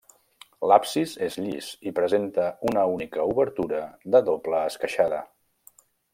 L'absis és llis i presenta una única obertura de doble esqueixada.